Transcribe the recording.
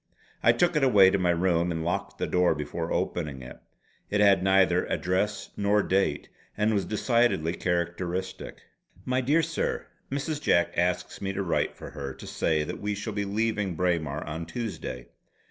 I took it away to my room and locked the door before opening it. It had neither address nor date, and was decidedly characteristic: "My dear Sir: Mrs. Jack asks me to write for her to say that we shall be leaving Braemar on Tuesday.